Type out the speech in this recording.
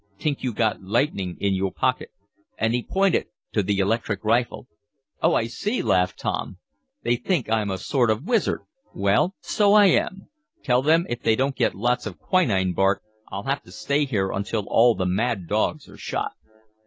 T'ink yo' got lightning in yo' pocket," and he pointed to the electric rifle. "Oh, I see!" laughed Tom. "They think I'm a sort of wizard. Well, so I am. Tell them if they don't get lots of quinine bark I'll have to stay here until all the mad dogs are shot."